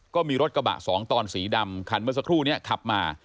ก็มีรถกระบะสองตอนสีดำคันเมื่อสักครู่นี้ขับมา